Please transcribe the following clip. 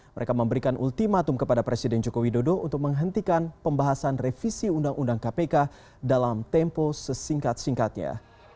mereka memberikan ultimatum kepada presiden joko widodo untuk menghentikan pembahasan revisi undang undang kpk dalam tempo sesingkat singkatnya